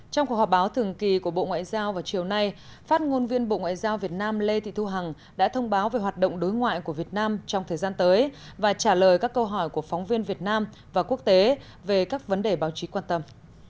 trong cuộc họp báo thường kỳ của bộ ngoại giao vào chiều nay phát ngôn viên bộ ngoại giao việt nam lê thị thu hằng đã thông báo về hoạt động đối ngoại của việt nam trong thời gian tới và trả lời các câu hỏi của phóng viên việt nam và quốc tế về các vấn đề báo chí quan tâm